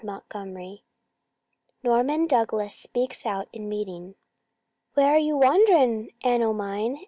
'" CHAPTER XX NORMAN DOUGLAS SPEAKS OUT IN MEETING "Where are you wandering, Anne o' mine?"